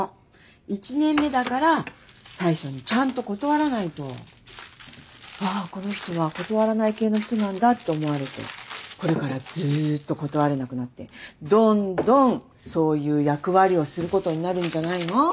１年目だから最初にちゃんと断らないとああこの人は断らない系の人なんだって思われてこれからずっと断れなくなってどんどんそういう役割をすることになるんじゃないの？